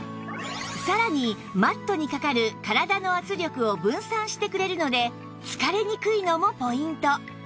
さらにマットにかかる体の圧力を分散してくれるので疲れにくいのもポイント